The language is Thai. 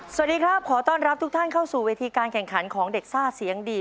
สวัสดีครับขอต้อนรับทุกท่านเข้าสู่เวทีการแข่งขันของเด็กซ่าเสียงดี